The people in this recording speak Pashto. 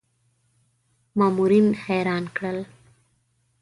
مامورین حیران کړل.